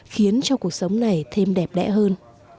khiến cho cuộc sống này thêm đẹp đẽ hơn